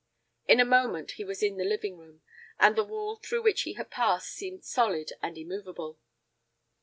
In a moment he was in the living room, and the wall through which he had passed seemed solid and immovable.